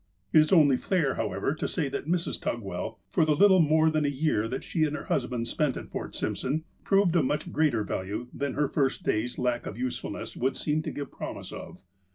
It is only fair, however, to say that Mrs. Tugwell, for the little more than a year that she and her husband spent at Fort Simpson, proved of much greater value than her first day's lack of usefulness would seem to give promise of.